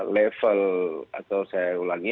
level atau saya ulangi